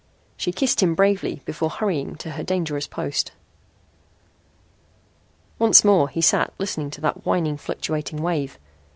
She kissed him bravely before hurrying to her dangerous post. Once more he sat listening to that whining, fluctuating wave.